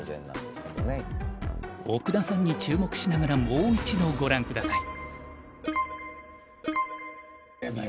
奥田さんに注目しながらもう一度ご覧下さい。